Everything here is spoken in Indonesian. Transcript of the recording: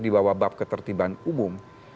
di bawah bab ketertiban umum